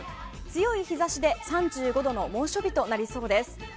強い日差しで３５度の猛暑日となりそうです。